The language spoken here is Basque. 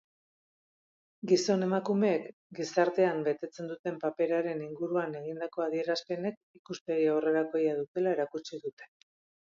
Gizon-emakumeek gizartean betetzen duten paperaren inguruan egindako adierazpenek ikuspegi aurrerakoia duela erakutsi dute.